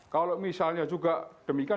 kalau misalnya juga demikian